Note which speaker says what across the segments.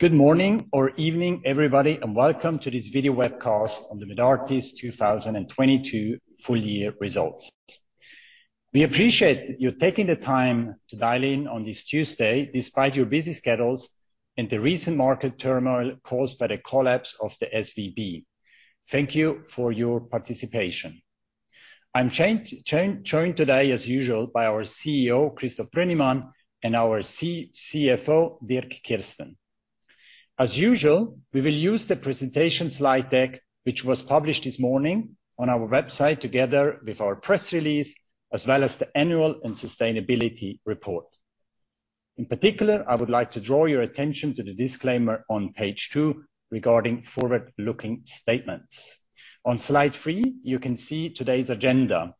Speaker 1: Good morning or evening, everybody, welcome to this video webcast on the Medartis 2022 full-year results. We appreciate you taking the time to dial in on this Tuesday despite your busy schedules and the recent market turmoil caused by the collapse of the SVB. Thank you for your participation. I'm joined today as usual by our CEO, Christoph Brönnimann, and our CFO, Dirk Kirsten. Usual, we will use the presentation slide deck, which was published this morning on our website together with our press release, as well as the annual and sustainability report. Particular, I would like to draw your attention to the disclaimer on page two regarding forward-looking statements. On slide three, you can see today's agenda.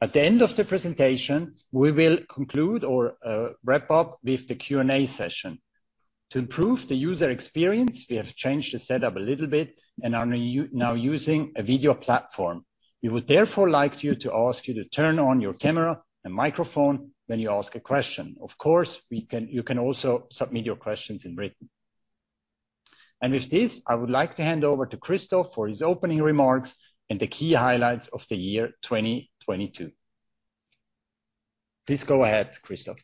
Speaker 1: The end of the presentation, we will conclude or wrap up with the Q&A session. To improve the user experience, we have changed the setup a little bit and are now using a video platform. We would therefore like you to ask you to turn on your camera and microphone when you ask a question. Of course, you can also submit your questions in written. With this, I would like to hand over to Christoph for his opening remarks and the key highlights of the year 2022. Please go ahead, Christoph.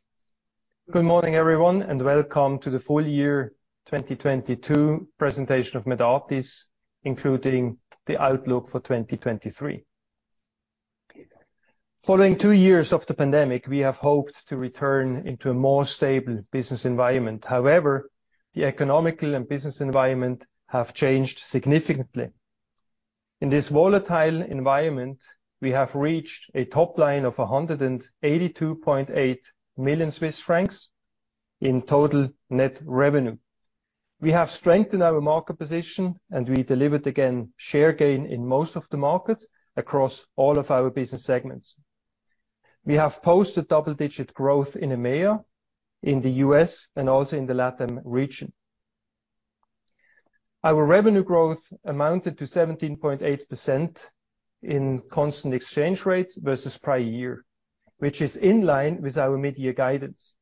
Speaker 2: Good morning, everyone, and welcome to the full-year 2022 presentation of Medartis, including the outlook for 2023. Following two years of the pandemic, we have hoped to return into a more stable business environment. However, the economical and business environment have changed significantly. In this volatile environment, we have reached a top line of 182.8 million Swiss francs in total net revenue. We have strengthened our market position, and we delivered again share gain in most of the markets across all of our business segments. We have posted double-digit growth in EMEA, in the U.S., and also in the LatAm region. Our revenue growth amounted to 17.8% in constant exchange rates versus prior year, which is in line with our mid-year guidance.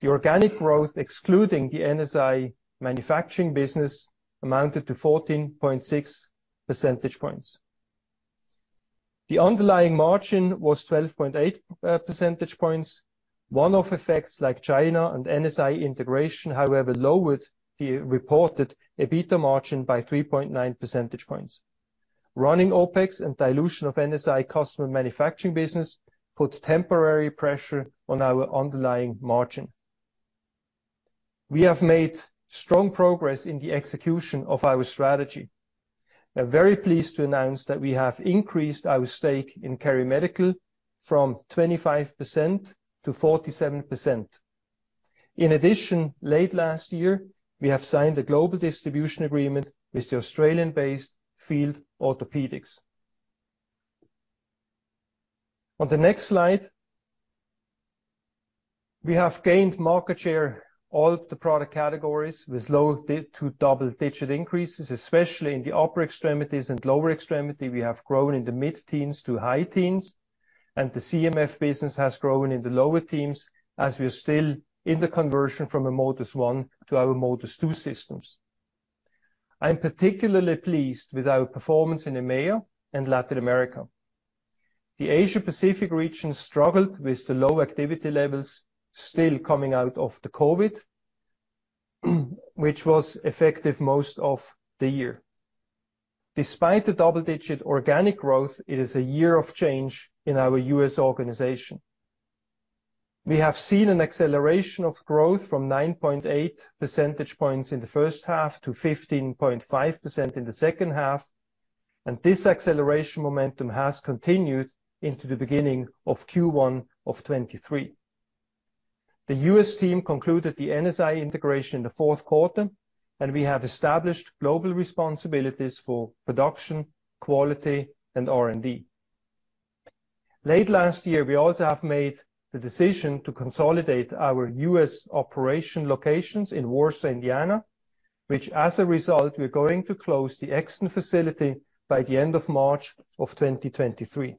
Speaker 2: The organic growth, excluding the NSI manufacturing business, amounted to 14.6 percentage points. The underlying margin was 12.8 percentage points. One-off effects like China and NSI integration, however, lowered the reported EBITDA margin by 3.9 percentage points. Running OpEx and dilution of NSI customer manufacturing business put temporary pressure on our underlying margin. We have made strong progress in the execution of our strategy. We're very pleased to announce that we have increased our stake in KeriMedical from 25% to 47%. Late last year, we have signed a global distribution agreement with the Australian-based Field Orthopaedics. On the next slide, we have gained market share all of the product categories with low double-digit increases, especially in the upper extremities and lower extremity. We have grown in the mid-teens to high teens. The CMF business has grown in the lower teens as we are still in the conversion from a MODUS 1 to our MODUS 2 systems. I am particularly pleased with our performance in EMEA and Latin America. The Asia Pacific region struggled with the low activity levels still coming out of the COVID, which was effective most of the year. Despite the double-digit organic growth, it is a year of change in our U.S. organization. We have seen an acceleration of growth from 9.8 percentage points in the 1st half to 15.5% in the 2nd half. This acceleration momentum has continued into the beginning of Q1 of 2023. The U.S. team concluded the NSI integration in the 4th quarter. We have established global responsibilities for production, quality, and R&D. Late last year, we also have made the decision to consolidate our U.S. operation locations in Warsaw, Indiana, which as a result, we're going to close the Exton facility by the end of March 2023.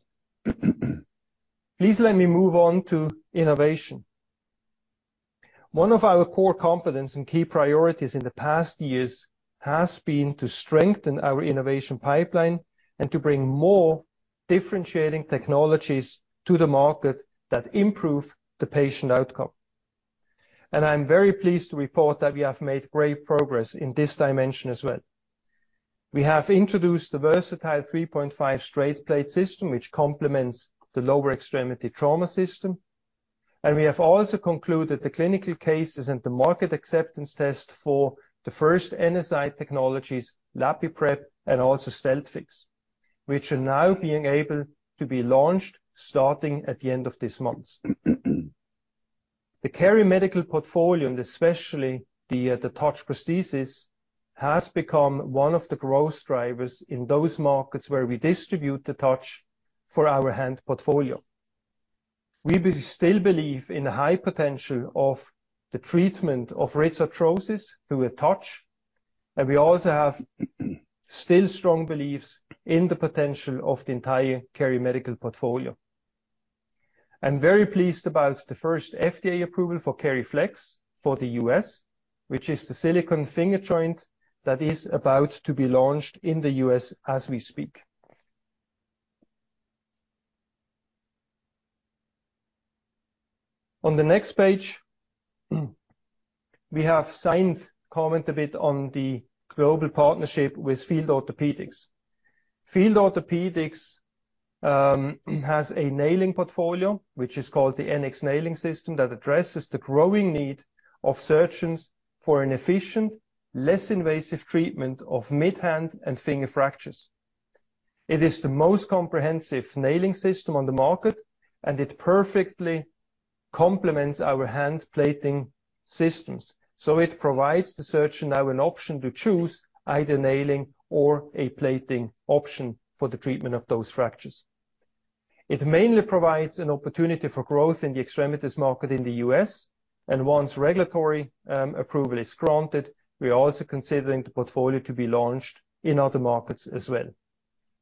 Speaker 2: Please let me move on to innovation. One of our core competence and key priorities in the past years has been to strengthen our innovation pipeline and to bring more differentiating technologies to the market that improve the patient outcome. I'm very pleased to report that we have made great progress in this dimension as well. We have introduced the versatile 3.5 straight plate system, which complements the lower extremity trauma system. We have also concluded the clinical cases and the market acceptance test for the first NSI technologies, LapiPrep, and also StealthFix, which are now being able to be launched starting at the end of this month. The KeriMedical portfolio, and especially the TOUCH prosthesis, has become one of the growth drivers in those markets where we distribute the TOUCH for our hand portfolio. We still believe in the high potential of the treatment of rheumatoid arthritis through a TOUCH, and we also have still strong beliefs in the potential of the entire KeriMedical portfolio. I'm very pleased about the first FDA approval for KeriFlex for the U.S., which is the silicone finger joint that is about to be launched in the U.S. as we speak. On the next page, we have signed, comment a bit on the global partnership with Field Orthopaedics. Field Orthopaedics has a nailing portfolio which is called the NX Nail System that addresses the growing need of surgeons for an efficient, less invasive treatment of mid-hand and finger fractures. It is the most comprehensive nailing system on the market, and it perfectly complements our hand plating systems. It provides the surgeon now an option to choose either nailing or a plating option for the treatment of those fractures. It mainly provides an opportunity for growth in the extremities market in the U.S., once regulatory approval is granted, we are also considering the portfolio to be launched in other markets as well.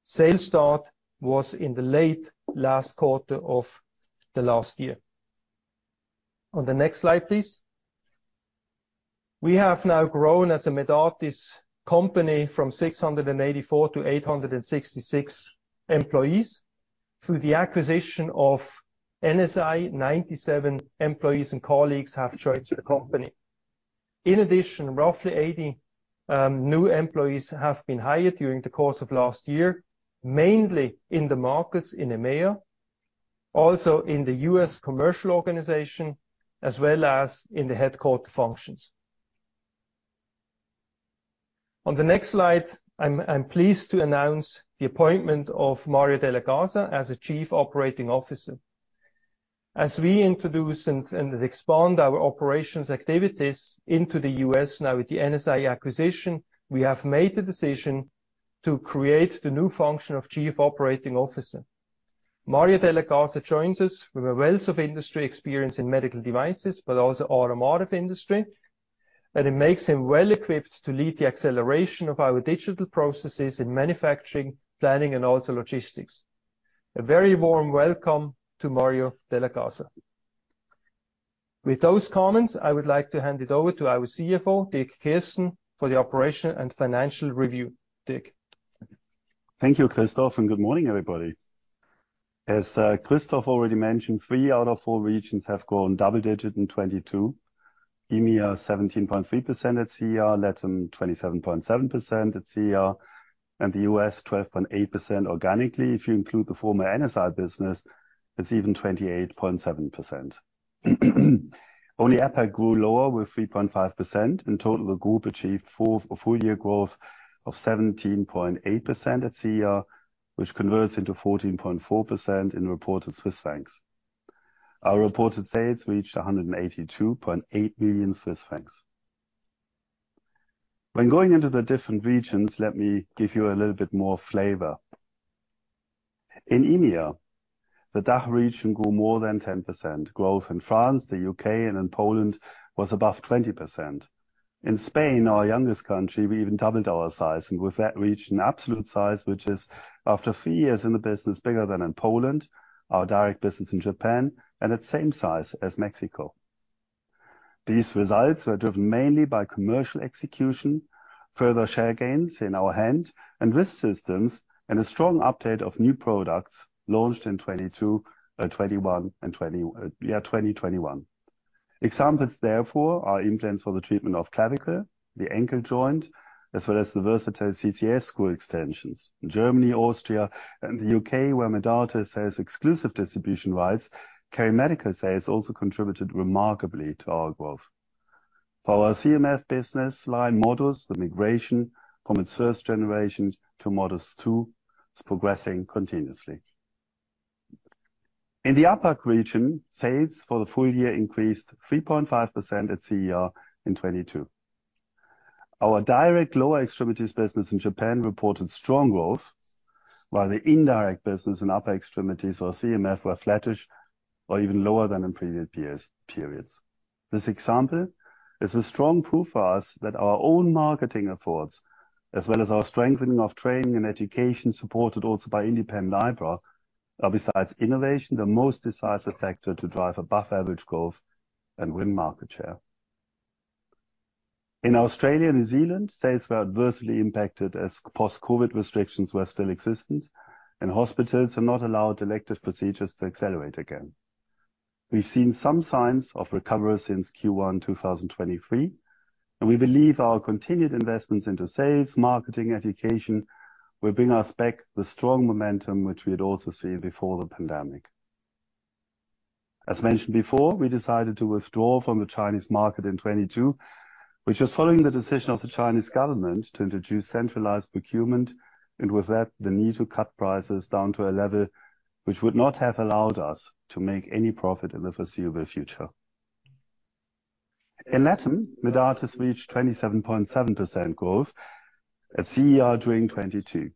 Speaker 2: Sales start was in the late last quarter of the last year. On the next slide, please. We have now grown as a Medartis company from 684 to 866 employees. Through the acquisition of NSI, 97 employees and colleagues have joined the company. In addition, roughly 80 new employees have been hired during the course of last year, mainly in the markets in EMEA, also in the U.S. commercial organization, as well as in the headquarter functions. On the next slide, I'm pleased to announce the appointment of Mario Della Casa as the Chief Operating Officer. As we introduce and expand our operations activities into the U.S. now with the NSI acquisition, we have made the decision to create the new function of Chief Operating Officer. Mario Della Casa joins us with a wealth of industry experience in medical devices, but also automotive industry, and it makes him well equipped to lead the acceleration of our digital processes in manufacturing, planning, and also logistics. A very warm welcome to Mario Della Casa. With those comments, I would like to hand it over to our CFO, Dirk Kirsten, for the operation and financial review. Dirk.
Speaker 3: Thank you, Christoph. Good morning, everybody. As Christoph already mentioned, three out of four regions have grown double digits in 2022. EMEA 17.3% at CER, LatAm 27.7% at CER. The U.S. 12.8% organically. If you include the former NSI business, it's even 28.7%. Only APAC grew lower with 3.5%. In total, the group achieved full-year growth of 17.8% at CER, which converts into 14.4% in reported CHF. Our reported sales reached 182.8 million Swiss francs. When going into the different regions, let me give you a little bit more flavor. In EMEA, the DACH region grew more than 10%. Growth in France, the U.K., and in Poland was above 20%. In Spain, our youngest country, we even doubled our size, and with that reach an absolute size, which is after three years in the business, bigger than in Poland, our direct business in Japan, and it's same size as Mexico. These results were driven mainly by commercial execution, further share gains in our hand and wrist systems, and a strong update of new products launched in 2022, 2021 and 2021. Examples, therefore, are implants for the treatment of clavicle, the ankle joint, as well as the versatile CCS screw extensions. In Germany, Austria, and the U.K., where Medartis has exclusive distribution rights, KeriMedical sales also contributed remarkably to our growth. For our CMF business line MODUS, the migration from its first generation to MODUS 2 is progressing continuously. In the APAC region, sales for the full-year increased 3.5% at CER in 2022. Our direct lower extremities business in Japan reported strong growth, while the indirect business in upper extremities or CMF were flattish or even lower than in previous periods. This example is a strong proof for us that our own marketing efforts, as well as our strengthening of training and education, supported also by independent IBRA, are besides innovation, the most decisive factor to drive above average growth and win market share. In Australia and New Zealand, sales were adversely impacted as post-COVID restrictions were still existent, hospitals are not allowed elective procedures to accelerate again. We've seen some signs of recovery since Q1 2023, we believe our continued investments into sales, marketing, education, will bring us back the strong momentum which we had also seen before the pandemic. As mentioned before, we decided to withdraw from the Chinese market in 2022, which was following the decision of the Chinese government to introduce centralized procurement and with that, the need to cut prices down to a level which would not have allowed us to make any profit in the foreseeable future. In LatAm, Medartis reached 27.7% growth at CER during 2022.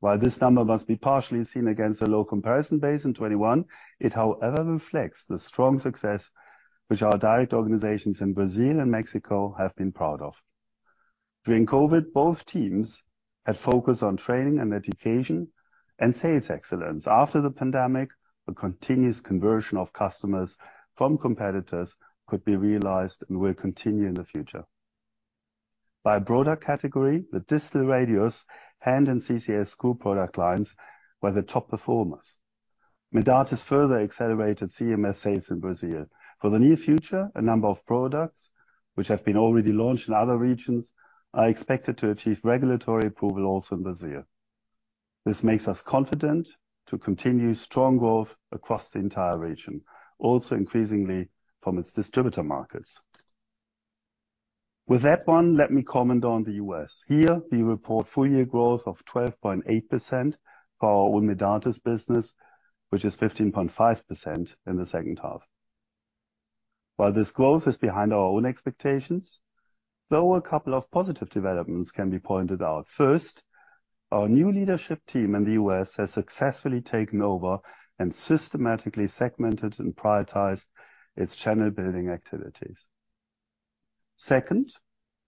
Speaker 3: While this number must be partially seen against a low comparison base in 2021, it however reflects the strong success which our direct organizations in Brazil and Mexico have been proud of. During COVID, both teams had focused on training and education and sales excellence. After the pandemic, a continuous conversion of customers from competitors could be realized and will continue in the future. By broader category, the distal radius, hand and CCS screw product lines were the top performers. Medartis further accelerated CMF sales in Brazil. For the near future, a number of products which have been already launched in other regions are expected to achieve regulatory approval also in Brazil. This makes us confident to continue strong growth across the entire region, also increasingly from its distributor markets. With that one, let me comment on the U.S.. Here, we report full-year growth of 12.8% for our own Medartis business, which is 15.5% in the second half. While this growth is behind our own expectations, though a couple of positive developments can be pointed out. First, our new leadership team in the U.S. has successfully taken over and systematically segmented and prioritized its channel building activities. Second,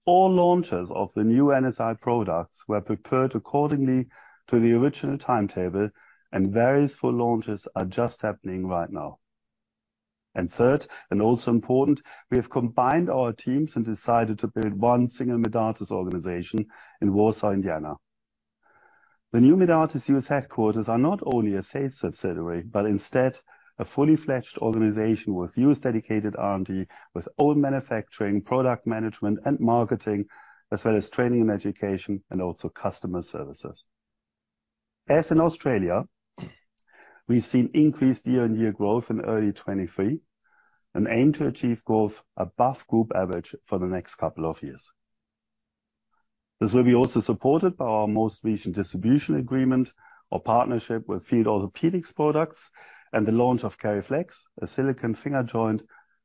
Speaker 3: all launches of the new NSI products were prepared accordingly to the original timetable, and various full launches are just happening right now. Third, and also important, we have combined our teams and decided to build one single Medartis organization in Warsaw, Indiana. The new Medartis U.S. headquarters are not only a sales subsidiary, but instead a fully fledged organization with U.S. dedicated R&D, with own manufacturing, product management and marketing, as well as training and education, and also customer services. As in Australia, we've seen increased year-on-year growth in early 2023, and aim to achieve growth above group average for the next couple of years. This will be also supported by our most recent distribution agreement or partnership with Field Orthopaedics Products and the launch of KeriFlex, a silicone finger joint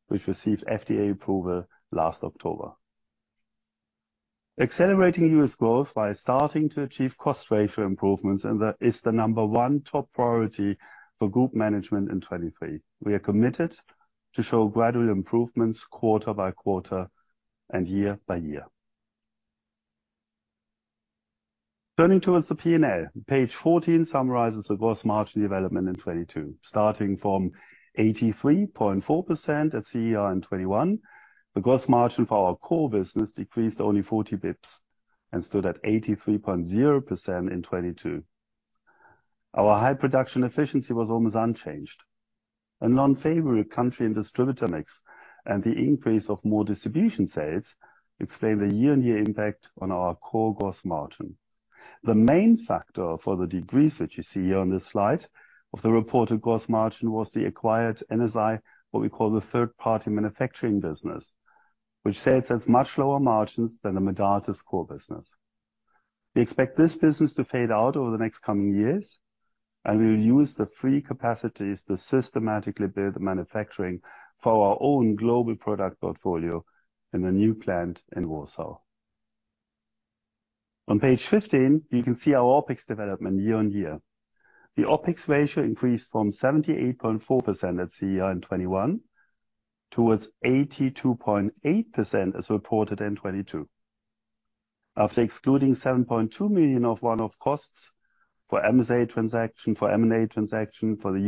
Speaker 3: which received FDA approval last October. Accelerating U.S. growth by starting to achieve cost ratio improvements and that is the number one top priority for group management in 2023. We are committed to show gradual improvements quarter by quarter and year by year. Turning towards the P&L. Page 14 summarizes the gross margin development in 2022, starting from 83.4% at CER in 2021. The gross margin for our core business decreased only 40 basis points and stood at 83.0% in 2022. Our high production efficiency was almost unchanged. An unfavorable country and distributor mix and the increase of more distribution sales explain the year-on-year impact on our core gross margin. The main factor for the decrease, which you see here on this slide, of the reported gross margin was the acquired NSI, what we call the third-party manufacturing business, which sales has much lower margins than the Medartis core business. We expect this business to fade out over the next coming years. We will use the free capacities to systematically build the manufacturing for our own global product portfolio in the new plant in Warsaw. On page 15, you can see our OpEx development year-over-year. The OpEx ratio increased from 78.4% at CER in 2021 towards 82.8% as reported in 2022. After excluding 7.2 million of one-off costs for M&A transaction, for the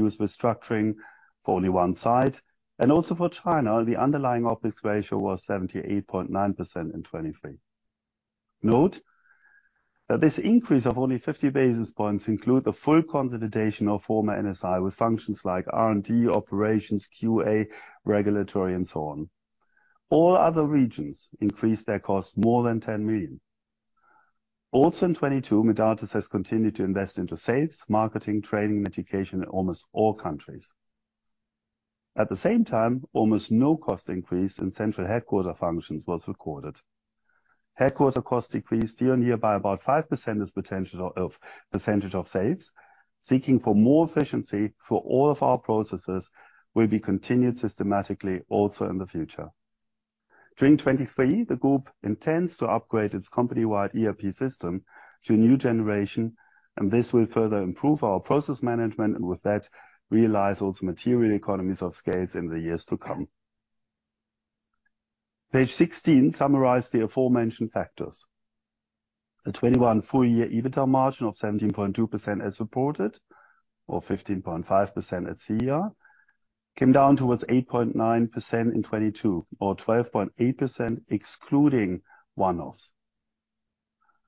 Speaker 3: U.S. restructuring for only one side and also for China, the underlying OpEx ratio was 78.9% in 2023. Note that this increase of only 50 basis points include the full consolidation of former NSI with functions like R&D, operations, QA, regulatory and so on. All other regions increased their costs more than 10 million. Also in 2022, Medartis has continued to invest into sales, marketing, training and education in almost all countries. At the same time, almost no cost increase in central headquarter functions was recorded. Headquarter costs decreased year on year by about 5% as percentage of sales. Seeking for more efficiency for all of our processes will be continued systematically also in the future. During 2023, the group intends to upgrade its company-wide ERP system to new generation, and this will further improve our process management, and with that, realize also material economies of scales in the years to come. Page 16 summarize the aforementioned factors. The 2021 full-year EBITDA margin of 17.2% as reported or 15.5% at CER came down towards 8.9% in 2022 or 12.8% excluding one-offs.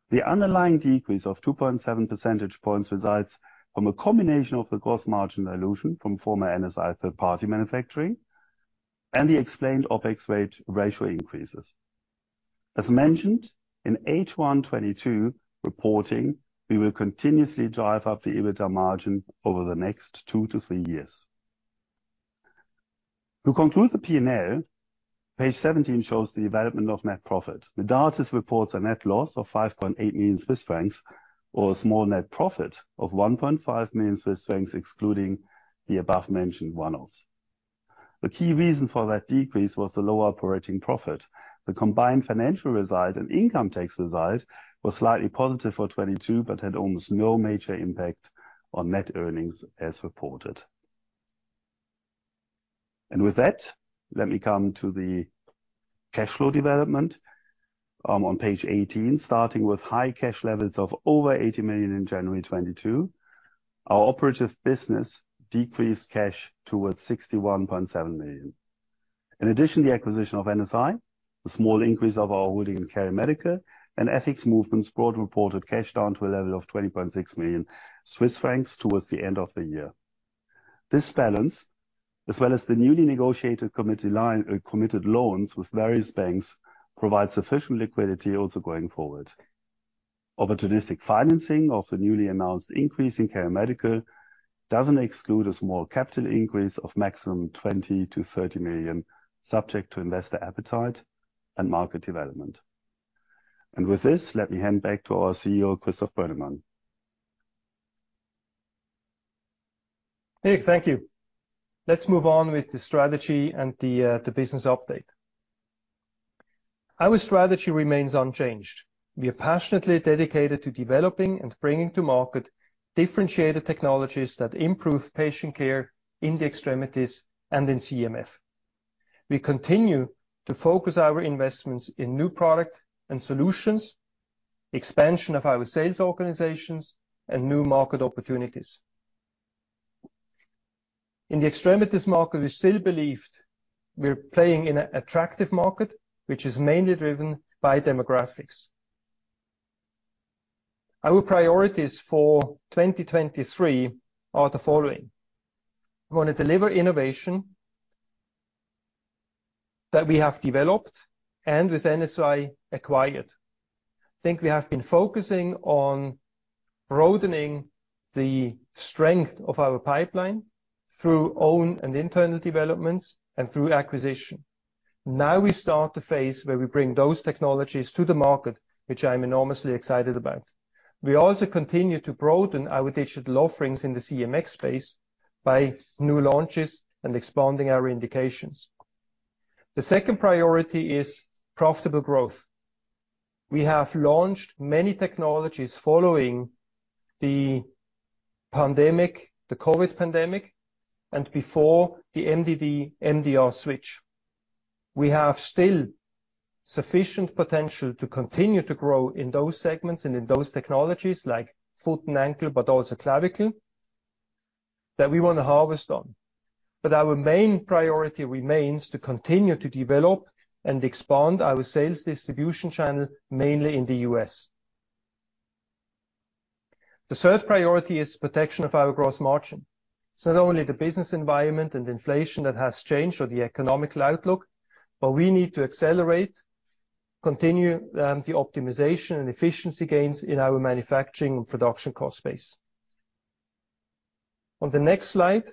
Speaker 3: The underlying decrease of 2.7 percentage points results from a combination of the gross margin dilution from former NSI third-party manufacturing and the explained OpEx ratio increases. As mentioned in H1 2022 reporting, we will continuously drive up the EBITDA margin over the next two to three years. To conclude the P&L, page 17 shows the development of net profit. Medartis reports a net loss of 5.8 million Swiss francs or a small net profit of 1.5 million Swiss francs, excluding the above-mentioned one-offs. The key reason for that decrease was the lower operating profit. The combined financial result and income tax result was slightly positive for 2022, but had almost no major impact on net earnings as reported. With that, let me come to the cash flow development on page 18. Starting with high cash levels of over 80 million in January 2022. Our operative business decreased cash towards 61.7 million. In addition, the acquisition of NSI, the small increase of our holding in KeriMedical and Ethics Movements brought reported cash down to a level of 20.6 million Swiss francs towards the end of the year. This balance, as well as the newly negotiated committee line, committed loans with various banks, provides sufficient liquidity also going forward. Opportunistic financing of the newly announced increase in KeriMedical doesn't exclude a small capital increase of maximum 20 million-30 million, subject to investor appetite and market development. With this, let me hand back to our CEO, Christoph Brönnimann.
Speaker 2: Dirk, thank you. Let's move on with the strategy and the business update. Our strategy remains unchanged. We are passionately dedicated to developing and bringing to market differentiated technologies that improve patient care in the extremities and in CMF. We continue to focus our investments in new product and solutions, expansion of our sales organizations, and new market opportunities. In the extremities market, we still believed we're playing in an attractive market, which is mainly driven by demographics. Our priorities for 2023 are the following. We want to deliver innovation that we have developed and with NSI acquired. I think we have been focusing on broadening the strength of our pipeline through own and internal developments and through acquisition. We start the phase where we bring those technologies to the market, which I'm enormously excited about. We also continue to broaden our digital offerings in the CMX space by new launches and expanding our indications. The second priority is profitable growth. We have launched many technologies following the pandemic, the COVID pandemic, and before the MDD, MDR switch. We have still sufficient potential to continue to grow in those segments and in those technologies like foot and ankle, also clavicle, that we want to harvest on. Our main priority remains to continue to develop and expand our sales distribution channel, mainly in the U.S.. The third priority is protection of our gross margin. It's not only the business environment and inflation that has changed or the economical outlook, we need to accelerate, continue the optimization and efficiency gains in our manufacturing and production cost base. On the next slide,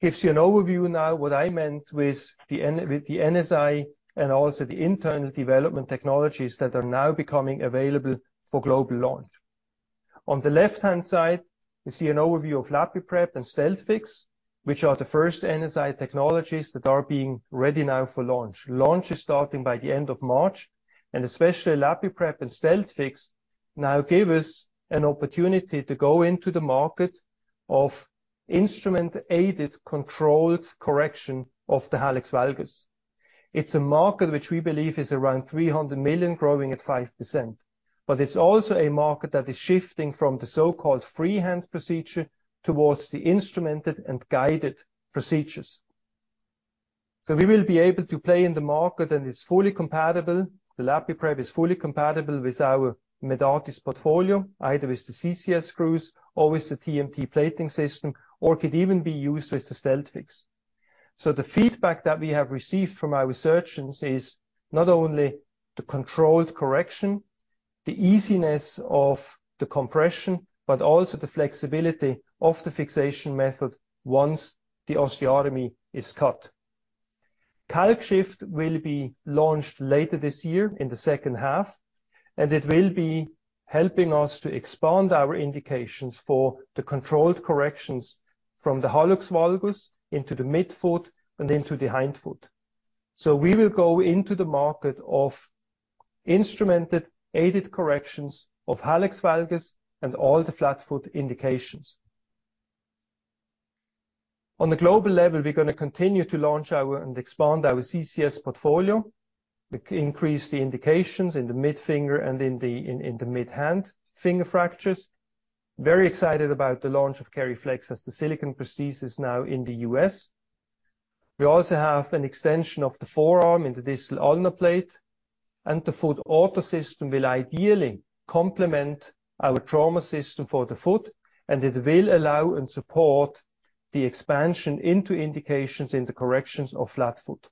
Speaker 2: gives you an overview now what I meant with the NSI and also the internal development technologies that are now becoming available for global launch. On the left-hand side, you see an overview of LapiPrep and StealthFix, which are the first NSI technologies that are being ready now for launch. Launch is starting by the end of March. Especially LapiPrep and StealthFix now give us an opportunity to go into the market of instrument-aided, controlled correction of the hallux valgus. It's a market which we believe is around 300 million, growing at 5%. It's also a market that is shifting from the so-called freehand procedure towards the instrumented and guided procedures. We will be able to play in the market, and it's fully compatible. The LapiPrep is fully compatible with our Medartis portfolio, either with the CCS screws or with the TMT plating system, or could even be used with the StealthFix. The feedback that we have received from our surgeons is not only the controlled correction, the easiness of the compression, but also the flexibility of the fixation method once the osteotomy is cut. CalcShift will be launched later this year in the second half, and it will be helping us to expand our indications for the controlled corrections from the hallux valgus into the midfoot and into the hindfoot. We will go into the market of instrumented aided corrections of hallux valgus and all the flat foot indications. On the global level, we're going to continue to launch our and expand our CCS portfolio. We increase the indications in the midfinger and in the midhand finger fractures. Very excited about the launch of KeriFlex as the silicon prosthesis now in the U.S. We also have an extension of the forearm in the distal ulna plate. The APTUS Foot system will ideally complement our trauma system for the foot, and it will allow and support the expansion into indications in the corrections of flat foot.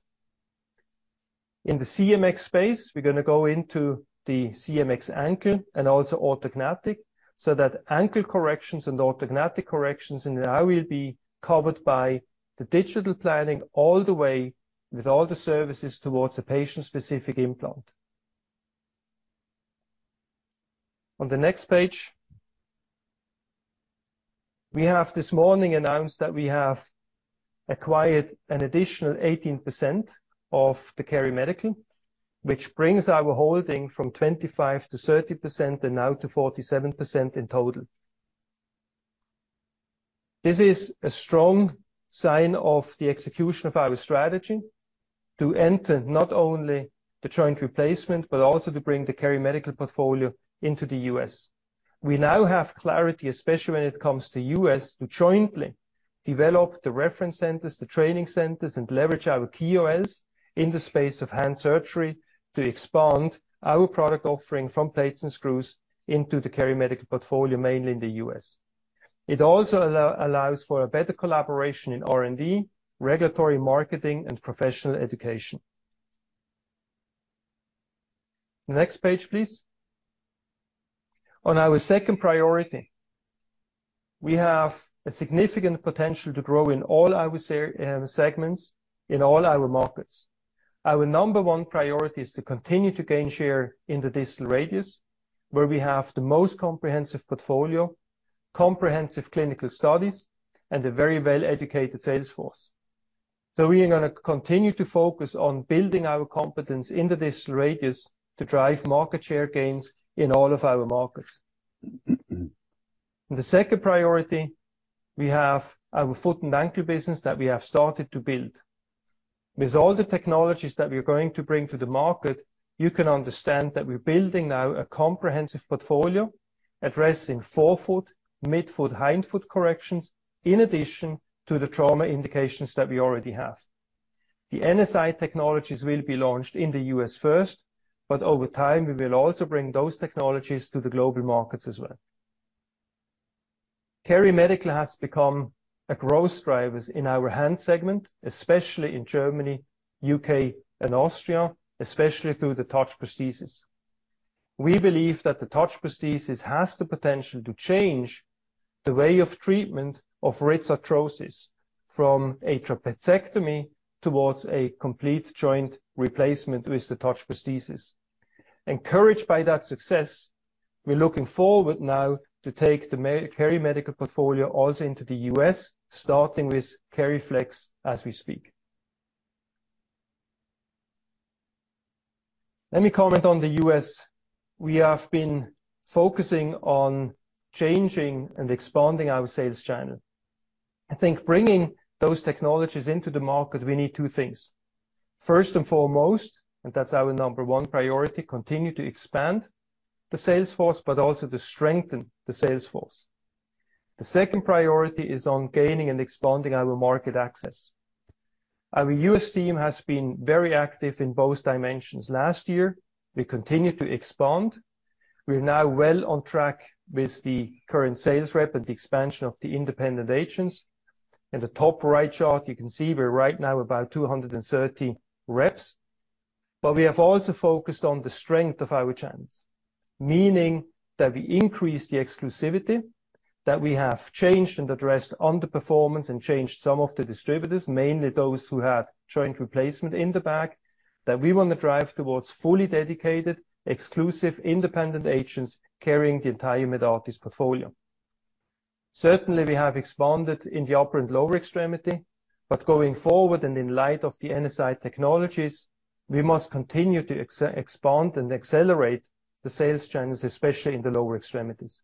Speaker 2: In the CMX space, we're going to go into the CMX ankle and also orthognathic, so that ankle corrections and orthognathic corrections now will be covered by the digital planning all the way with all the services towards a patient-specific implant. On the next page, we have this morning announced that we have acquired an additional 18% of the KeriMedical, which brings our holding from 25 to 30% and now to 47% in total. This is a strong sign of the execution of our strategy to enter not only the joint replacement, but also to bring the KeriMedical portfolio into the U.S. We now have clarity, especially when it comes to U.S., to jointly develop the reference centers, the training centers, and leverage our KOLs in the space of hand surgery to expand our product offering from plates and screws into the KeriMedical portfolio, mainly in the U.S. It also allows for a better collaboration in R&D, regulatory marketing, and professional education. Next page, please. On our second priority, we have a significant potential to grow in all our segments in all our markets. Our number one priority is to continue to gain share in the distal radius, where we have the most comprehensive portfolio, comprehensive clinical studies, and a very well-educated sales force. We are gonna continue to focus on building our competence in the distal radius to drive market share gains in all of our markets. The second priority, we have our foot and ankle business that we have started to build. With all the technologies that we are going to bring to the market, you can understand that we're building now a comprehensive portfolio addressing forefoot, midfoot, hindfoot corrections, in addition to the trauma indications that we already have. The NSI technologies will be launched in the U.S. first. Over time, we will also bring those technologies to the global markets as well. KeriMedical has become a growth drivers in our hand segment, especially in Germany, U.K., and Austria, especially through the TOUCH prosthesis. We believe that the TOUCH prosthesis has the potential to change the way of treatment of wrist arthrosis from a trapeziectomy towards a complete joint replacement with the TOUCH prosthesis. Encouraged by that success, we're looking forward now to take the KeriMedical portfolio also into the U.S., starting with KeriFlex as we speak. Let me comment on the U.S.. We have been focusing on changing and expanding our sales channel. I think bringing those technologies into the market, we need two things. First and foremost, that's our number 1 priority, continue to expand the sales force, but also to strengthen the sales force. The second priority is on gaining and expanding our market access. Our U.S. team has been very active in both dimensions. Last year, we continued to expand. We're now well on track with the current sales rep and the expansion of the independent agents. In the top right chart, you can see we're right now about 230 reps. We have also focused on the strength of our channels. Meaning, that we increase the exclusivity, that we have changed and addressed underperformance and changed some of the distributors, mainly those who had joint replacement in the bag. We wanna drive towards fully dedicated, exclusive independent agents carrying the entire Medartis portfolio. Certainly, we have expanded in the upper and lower extremity, but going forward and in light of the NSI technologies, we must continue to expand and accelerate the sales channels, especially in the lower extremities.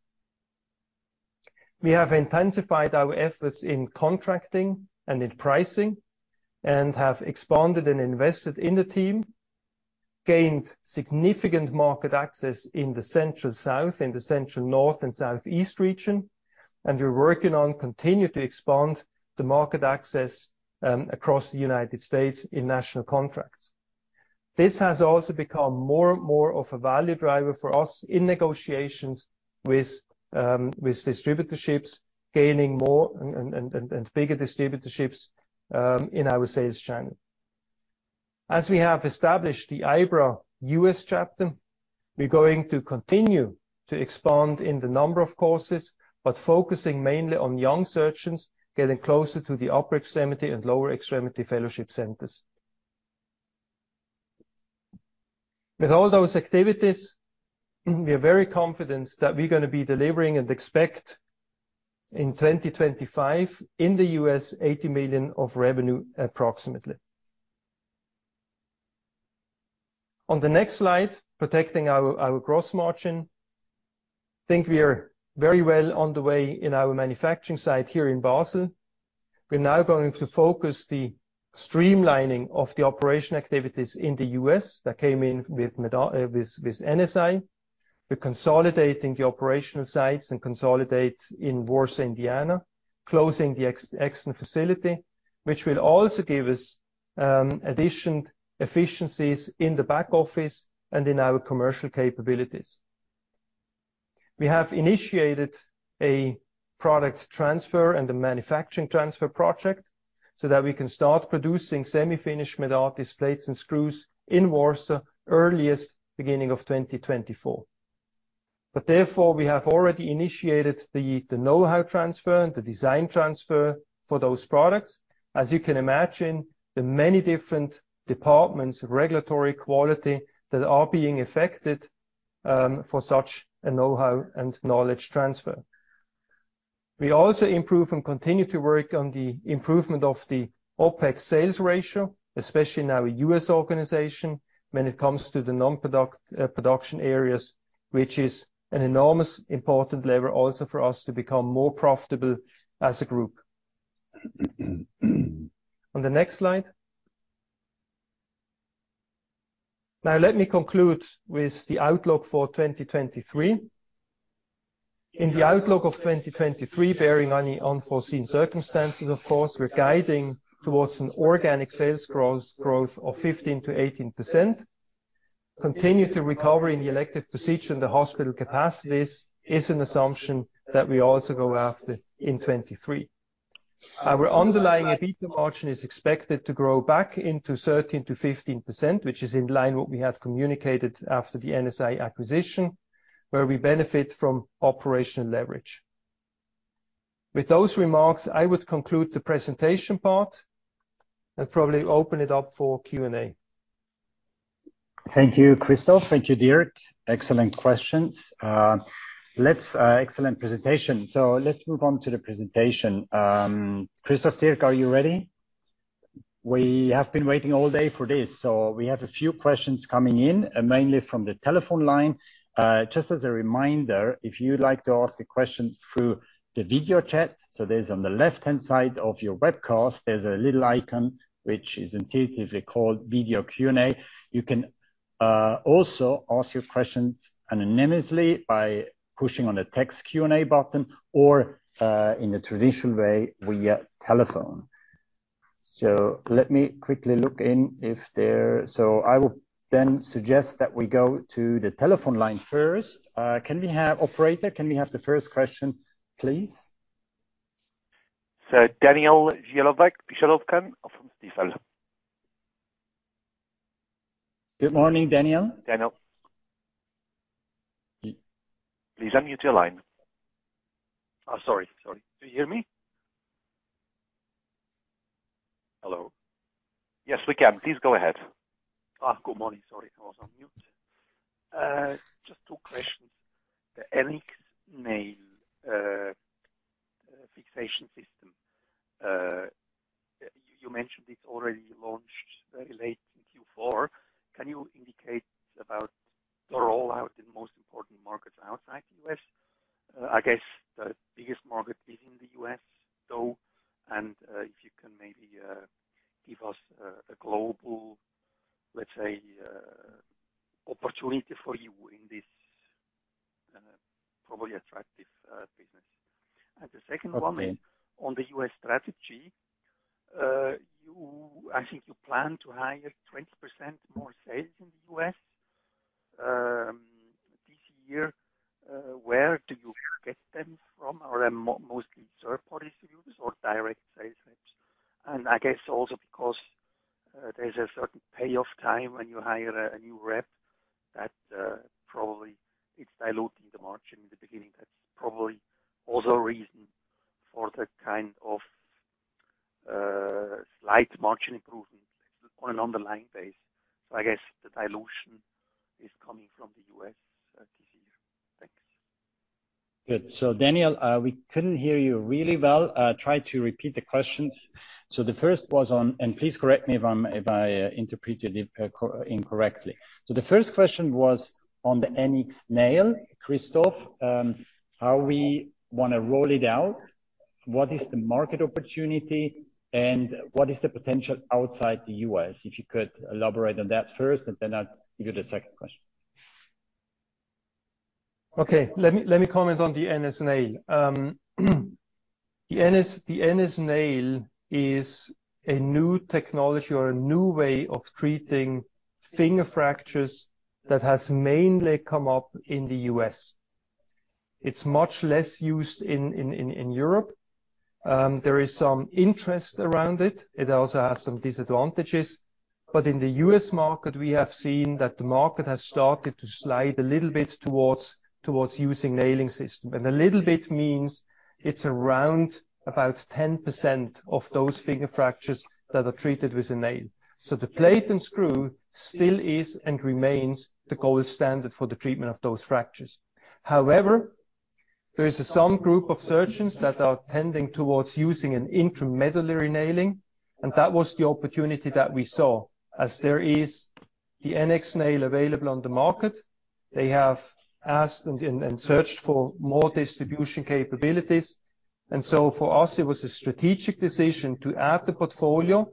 Speaker 2: We have intensified our efforts in contracting and in pricing and have expanded and invested in the team, gained significant market access in the Central South and the Central North and Southeast region, and we're working on continue to expand the market access across the United States in national contracts. This has also become more and more of a value driver for us in negotiations with distributorships, gaining more and distributorships in our sales channel. We have established the IBRA U.S. chapter, we're going to continue to expand in the number of courses, focusing mainly on young surgeons getting closer to the upper extremity and lower extremity fellowship centers. With all those activities, we are very confident that we're gonna be delivering and expect in 2025 in the U.S., $80 million of revenue approximately. On the next slide, protecting our gross margin. We are very well on the way in our manufacturing site here in Basel. We're now going to focus the streamlining of the operation activities in the U.S. that came in with NSI. We're consolidating the operational sites and consolidate in Warsaw, Indiana, closing the ex-Exton facility, which will also give us addition efficiencies in the back office and in our commercial capabilities. We have initiated a product transfer and a manufacturing transfer project that we can start producing semi-finished Medartis plates and screws in Warsaw earliest beginning of 2024. Therefore, we have already initiated the know-how transfer and the design transfer for those products. As you can imagine, the many different departments, regulatory, quality that are being affected. For such a know-how and knowledge transfer. We also improve and continue to work on the improvement of the OpEx sales ratio, especially in our U.S. organization when it comes to the non-product production areas, which is an enormous important lever also for us to become more profitable as a group. On the next slide. Let me conclude with the outlook for 2023. In the outlook of 2023, bearing any unforeseen circumstances, of course, we're guiding towards an organic sales gross growth of 15%-18%. Continue to recover in the elective procedure and the hospital capacities is an assumption that we also go after in 2023. Our underlying EBITDA margin is expected to grow back into 13%-15%, which is in line what we had communicated after the NSI acquisition, where we benefit from operational leverage. With those remarks, I would conclude the presentation part and probably open it up for Q&A.
Speaker 1: Thank you, Christoph. Thank you, Dirk. Excellent questions. Excellent presentation. Let's move on to the presentation. Christoph, Dirk, are you ready? We have been waiting all day for this, so we have a few questions coming in, mainly from the telephone line. Just as a reminder, if you'd like to ask a question through the video chat, so there's on the left-hand side of your webcast, there's a little icon which is intuitively called Video Q&A. You can also ask your questions anonymously by pushing on the Text Q&A button or in the traditional way, via telephone. Let me quickly look in. I will then suggest that we go to the telephone line first. Operator, can we have the first question, please?
Speaker 4: Daniel Jelovcan of Stifel.
Speaker 1: Good morning, Daniel.
Speaker 5: Daniel.
Speaker 4: Please unmute your line.
Speaker 5: Sorry. Do you hear me? Hello.
Speaker 4: Yes, we can. Please go ahead.
Speaker 5: Good morning. Sorry, I was on mute. Just two questions. The NX Nail fixation system. You mentioned it's already launched late in Q4. Can you indicate about the rollout in most important markets outside U.S.? I guess the biggest market is in the U.S., though, and if you can maybe give us a global, let's say, opportunity for you in this probably attractive business. And the second one.
Speaker 1: Okay.
Speaker 5: On the U.S. strategy, I think you plan to hire 20% more sales in the U.S. this year. Where do you get them from? Are they mostly third-party sales or direct sales reps? I guess also because there's a certain payoff time when you hire a new rep that probably it's diluting the margin in the beginning. That's probably also a reason for the kind of slight margin improvement on an underlying base. I guess the dilution is coming from the U.S. this year. Thanks.
Speaker 1: Good. Daniel, we couldn't hear you really well. Try to repeat the questions. The first was, and please correct me if I interpreted it incorrectly. The first question was on the NX Nail. Christoph, how we wanna roll it out, what is the market opportunity, and what is the potential outside the U.S.? If you could elaborate on that first, and then I'll give you the second question.
Speaker 2: Okay. Let me comment on the NX Nail. The NX Nail is a new technology or a new way of treating finger fractures that has mainly come up in the U.S. It's much less used in Europe. There is some interest around it. It also has some disadvantages. In the U.S. market, we have seen that the market has started to slide a little bit towards using nailing system. A little bit means it's around about 10% of those finger fractures that are treated with a nail. The plate and screw still is and remains the gold standard for the treatment of those fractures. However, there is some group of surgeons that are tending towards using an intramedullary nailing, and that was the opportunity that we saw. As there is the NX Nail available on the market, they have asked and searched for more distribution capabilities. For us, it was a strategic decision to add the portfolio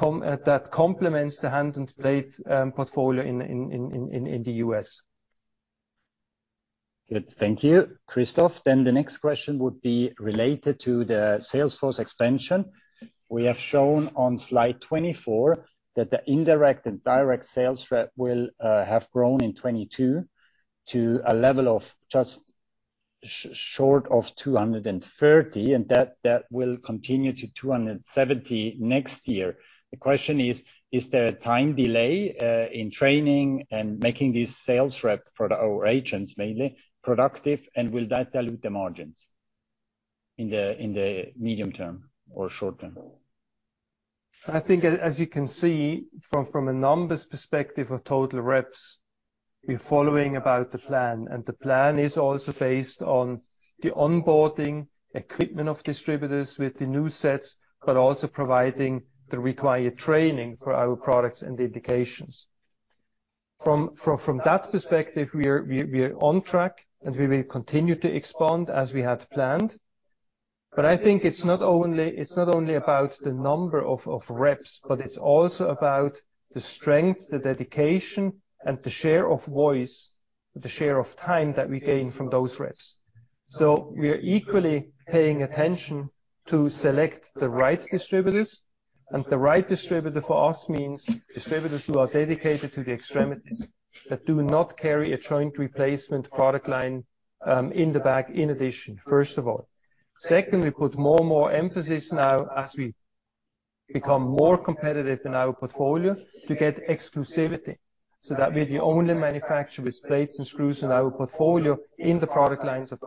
Speaker 2: that complements the hand and plate portfolio in the U.S..
Speaker 1: Good. Thank you, Christoph. The next question would be related to the sales force expansion. We have shown on slide 24 that the indirect and direct sales rep will have grown in 2022 to a level of just short of 230, and that will continue to 270 next year. The question is: Is there a time delay in training and making these sales rep for our agents mainly productive, and will that dilute the margins in the medium term or short term?
Speaker 2: I think as you can see from a numbers perspective of total reps, we're following about the plan. The plan is also based on the onboarding equipment of distributors with the new sets, but also providing the required training for our products and the indications. From that perspective, we're on track. We will continue to expand as we had planned. I think it's not only, it's not only about the number of reps, but it's also about the strength, the dedication, and the share of voice, the share of time that we gain from those reps. We are equally paying attention to select the right distributors. The right distributor for us means distributors who are dedicated to the extremities, that do not carry a joint replacement product line in the back in addition, first of all. We put more and more emphasis now as we become more competitive in our portfolio to get exclusivity, so that we're the only manufacturer with plates and screws in our portfolio in the product lines of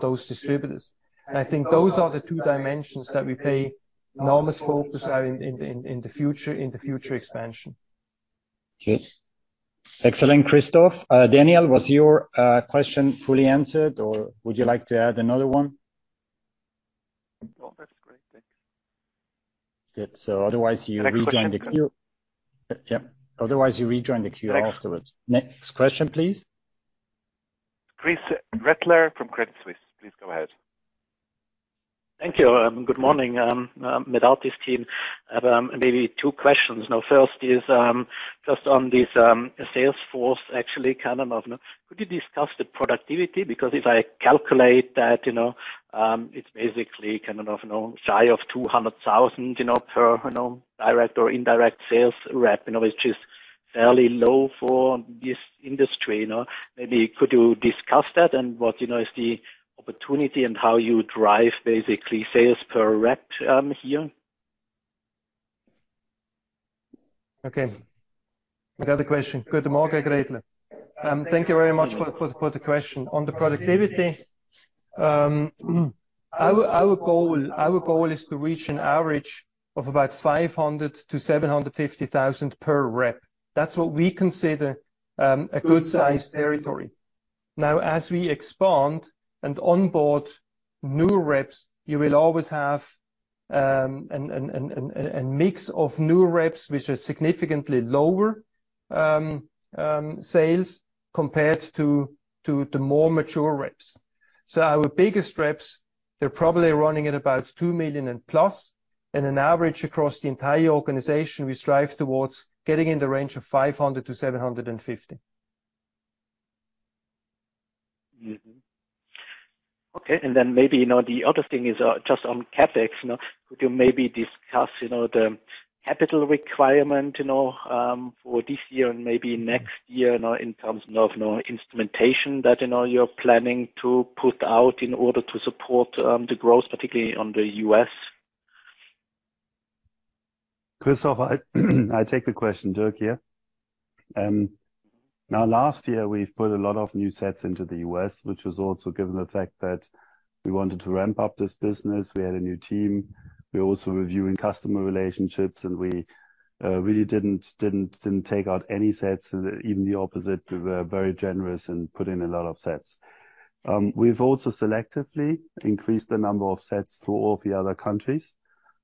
Speaker 2: those distributors. I think those are the two dimensions that we pay enormous focus on in the future, in the future expansion.
Speaker 1: Okay. Excellent, Christoph. Daniel, was your question fully answered, or would you like to add another one?
Speaker 5: No, that's great. Thanks.
Speaker 1: Good. Otherwise you rejoin the queue.
Speaker 5: Next question, please.
Speaker 1: Yeah. Otherwise, you rejoin the queue afterwards.
Speaker 5: Thanks.
Speaker 1: Next question, please.
Speaker 4: Chris Gretler from Credit Suisse, please go ahead.
Speaker 6: Thank you. Good morning, Medartis team. Maybe two questions. Now first is, just on this sales force, actually, kind of. Could you discuss the productivity? Because if I calculate that, you know, it's basically kind of, you know, shy of 200,000, you know, per, you know, direct or indirect sales rep. You know, which is fairly low for this industry, you know. Maybe could you discuss that and what, you know, is the opportunity and how you drive basically sales per rep, here?
Speaker 2: Okay. Another question. Good morning, Chris Gretler. Thank you very much for the question. On the productivity, our goal is to reach an average of about 500,000-750,000 per rep. That's what we consider a good size territory. Now, as we expand and onboard new reps, you will always have a mix of new reps which are significantly lower sales compared to the more mature reps. Our biggest reps, they're probably running at about 2 million-plus. In an average across the entire organization, we strive towards getting in the range of 500,000-750,000.
Speaker 6: Okay. Maybe, you know, the other thing is, just on CapEx, you know. Could you maybe discuss, you know, the capital requirement, you know, for this year and maybe next year now in terms of, you know, instrumentation that, you know, you're planning to put out in order to support, the growth, particularly on the U.S.?
Speaker 3: Christoph, I take the question. Dirk here. Last year we've put a lot of new sets into the U.S., which was also given the fact that we wanted to ramp up this business. We had a new team. We're also reviewing customer relationships, we really didn't take out any sets. Even the opposite. We were very generous and put in a lot of sets. We've also selectively increased the number of sets to all the other countries,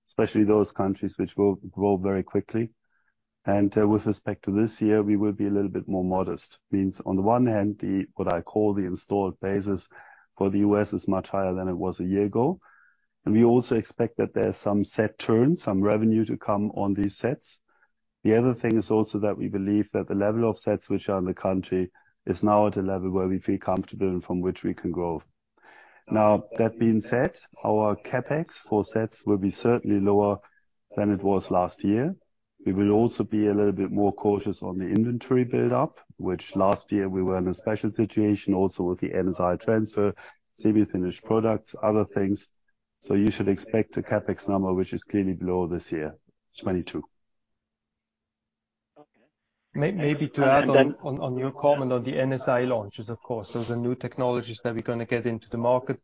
Speaker 3: especially those countries which will grow very quickly. With respect to this year, we will be a little bit more modest. Means on the one hand, what I call the installed basis for the U.S. is much higher than it was a year ago. We also expect that there's some set turn, some revenue to come on these sets. The other thing is also that we believe that the level of sets which are in the country is now at a level where we feel comfortable and from which we can grow. That being said, our CapEx for sets will be certainly lower than it was last year. We will also be a little bit more cautious on the inventory build-up, which last year we were in a special situation also with the NSI transfer, semi-finished products, other things. You should expect a CapEx number which is clearly below this year, 2022.
Speaker 2: Maybe to add on your comment on the NSI launches, of course. Those are new technologies that we're going to get into the market.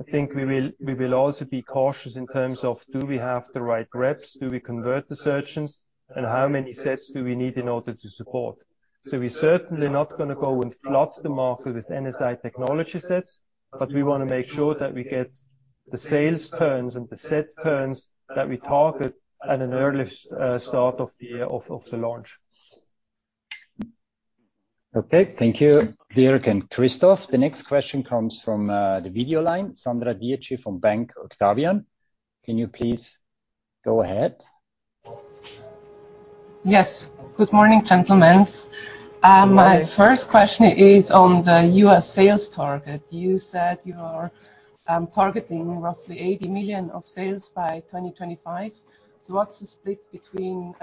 Speaker 2: I think we will also be cautious in terms of do we have the right reps? Do we convert the surgeons? How many sets do we need in order to support? We're certainly not gonna go and flood the market with NSI technology sets, but we want to make sure that we get the sales turns and the set turns that we target at an early start of the launch.
Speaker 1: Okay. Thank you, Dirk and Christoph. The next question comes from the video line. Sandra Dietschy from Bank Octavian. Can you please go ahead?
Speaker 7: Yes. Good morning, gentlemen. My first question is on the U.S. sales target. You said you are targeting roughly $80 million of sales by 2025. What's the split between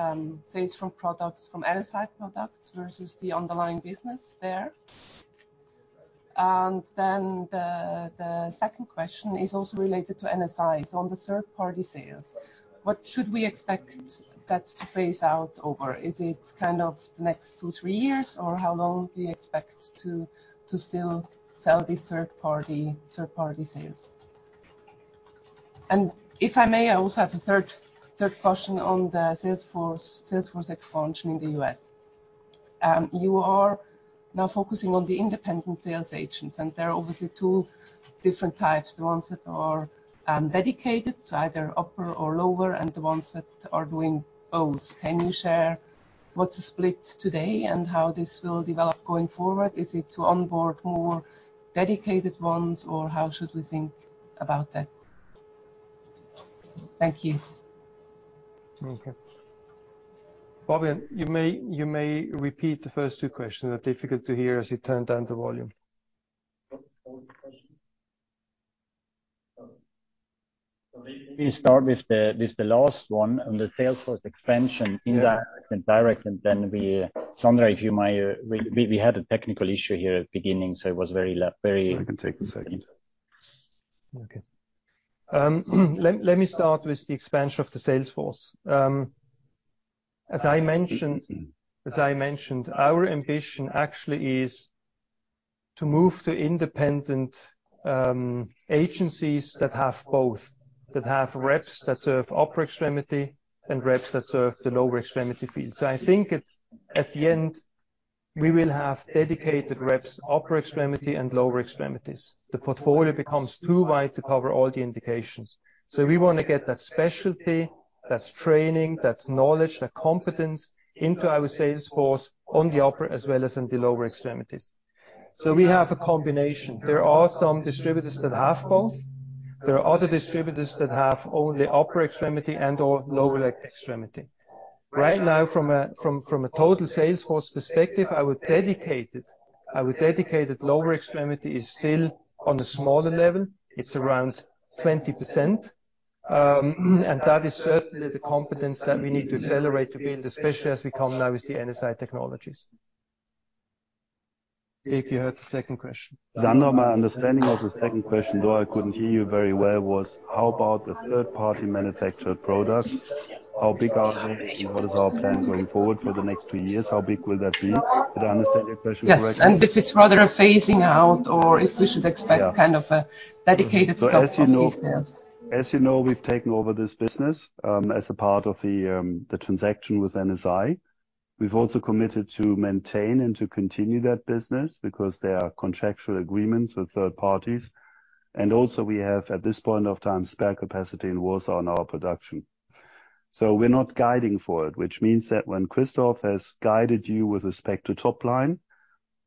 Speaker 7: sales from products from NSI products versus the underlying business there? The second question is also related to NSI. On the third-party sales, what should we expect to phase out over. Is it kind of the next two to three years, or how long do you expect to still sell the third-party sales? If I may, I also have a third question on the salesforce expansion in the U.S.. You are now focusing on the independent sales agents, and there are obviously two different types. The ones that are dedicated to either upper or lower, and the ones that are doing both. Can you share what's the split today and how this will develop going forward? Is it to onboard more dedicated ones, or how should we think about that? Thank you.
Speaker 2: Okay. Fabian, you may repeat the first two questions. They're difficult to hear as he turned down the volume.
Speaker 1: Let me start with the last one on the salesforce expansion in that direction, then Sandra, if you might. We had a technical issue here at the beginning, so it was very.
Speaker 3: I can take the second.
Speaker 2: Okay. Let me start with the expansion of the salesforce. As I mentioned, our ambition actually is to move to independent agencies that have both. That have reps that serve upper extremity and reps that serve the lower extremity field. I think at the end, we will have dedicated reps, upper extremity and lower extremities. The portfolio becomes too wide to cover all the indications. We wanna get that specialty, that training, that knowledge, that competence into our salesforce on the upper as well as in the lower extremities. We have a combination. There are some distributors that have both. There are other distributors that have only upper extremity and/or lower leg extremity. Right now, from a total salesforce perspective, our dedicated lower extremity is still on a smaller level. It's around 20%. That is certainly the competence that we need to accelerate to build, especially as we come now with the NSI technologies. Dirk, you have the second question.
Speaker 3: Sandra, my understanding of the second question, though I couldn't hear you very well, was how about the third-party manufactured products? How big are they, and what is our plan going forward for the next two years? How big will that be? Did I understand your question correctly?
Speaker 7: Yes. If it's rather a phasing out or if we should expect...
Speaker 3: Yeah.
Speaker 7: Kind of a dedicated stop of these sales.
Speaker 3: As you know, we've taken over this business as a part of the transaction with NSI. We've also committed to maintain and to continue that business because there are contractual agreements with third parties, and also we have, at this point of time, spare capacity in Warsaw on our production. We're not guiding for it, which means that when Christoph has guided you with respect to top line,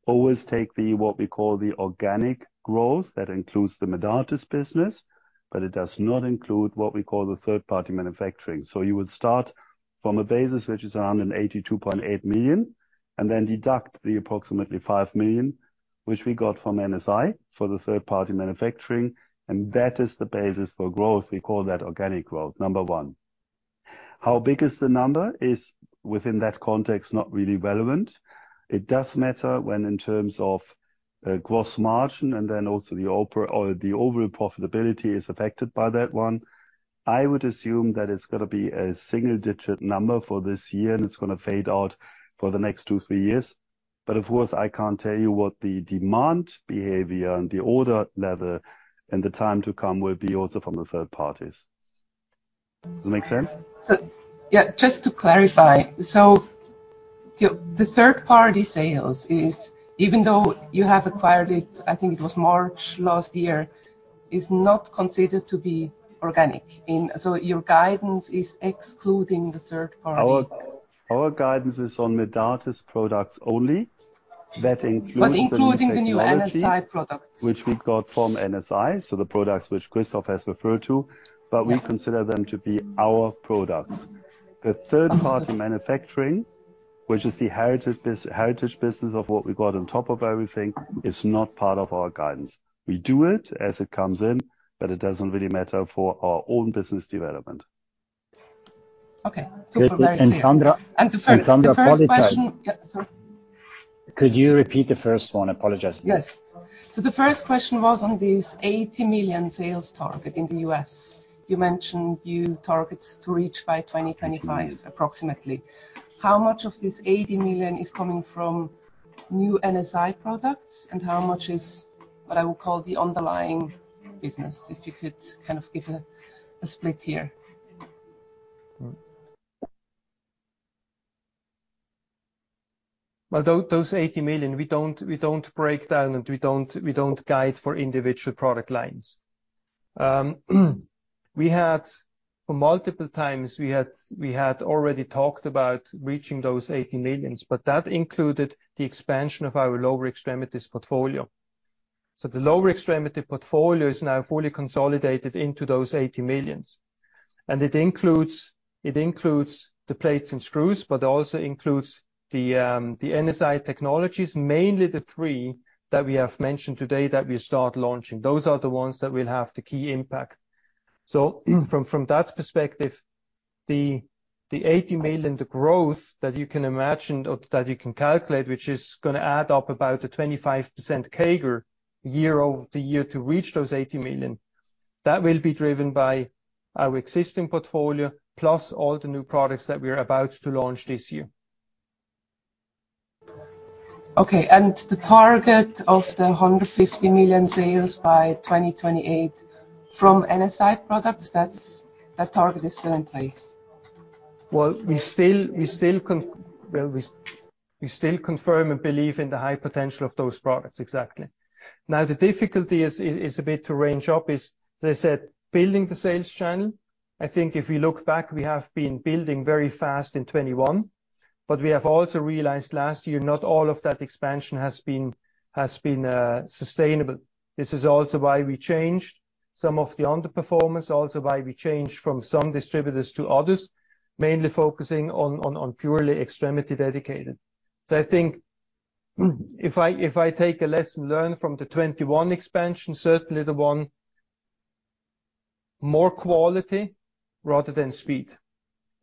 Speaker 3: always take the, what we call the organic growth that includes the Medartis business, but it does not include what we call the third-party manufacturing. You would start from a basis which is around 82.8 million, and then deduct the approximately 5 million, which we got from NSI for the third-party manufacturing, and that is the basis for growth. We call that organic growth. Number one. How big the number is, within that context, not really relevant. It does matter when in terms of gross margin and then also the overall profitability is affected by that one. I would assume that it's gonna be a single-digit number for this year, and it's gonna fade out for the next two, three years. Of course, I can't tell you what the demand behavior and the order level in the time to come will be also from the third parties. Does it make sense?
Speaker 7: Yeah, just to clarify. The third-party sales is even though you have acquired it, I think it was March last year, is not considered to be organic in... Your guidance is excluding the third party.
Speaker 3: Our guidance is on Medartis products only. That includes the new technology.
Speaker 7: Including the new NSI products.
Speaker 3: Which we got from NSI, so the products which Christoph has referred to, but we consider them to be our products. The third-party manufacturing, which is the heritage business of what we got on top of everything, is not part of our guidance. We do it as it comes in, but it doesn't really matter for our own business development.
Speaker 7: Okay. Super duper clear.
Speaker 2: And Sandra-
Speaker 7: The first question.
Speaker 2: Sandra, apologize.
Speaker 7: Yeah, sorry.
Speaker 2: Could you repeat the first one? I apologize.
Speaker 7: Yes. The first question was on this $80 million sales target in the U.S. You mentioned you target to reach by 2025 approximately. How much of this $80 million is coming from new NSI products, and how much is what I would call the underlying business? If you could kind of give a split here.
Speaker 2: Well, those $80 million, we don't break down, we don't guide for individual product lines. We had for multiple times, we had already talked about reaching those $80 million, that included the expansion of our lower extremities portfolio. The lower extremity portfolio is now fully consolidated into those $80 million. It includes the plates and screws, also includes the NSI technologies, mainly the three that we have mentioned today that we start launching. Those are the ones that will have the key impact. From that perspective, the $80 million, the growth that you can imagine or that you can calculate, which is gonna add up about a 25% CAGR year-over-year to reach those $80 million. That will be driven by our existing portfolio, plus all the new products that we are about to launch this year.
Speaker 7: Okay. The target of the 150 million sales by 2028 from NSI products, that target is still in place?
Speaker 2: Well, we still confirm and believe in the high potential of those products. Exactly. Now, the difficulty is a bit to range up is, as I said, building the sales channel. I think if we look back, we have been building very fast in 2021, but we have also realized last year, not all of that expansion has been sustainable. This is also why we changed some of the underperformance, also why we changed from some distributors to others, mainly focusing on purely extremity dedicated. I think, if I take a lesson learned from the 2021 expansion, certainly the one more quality rather than speed.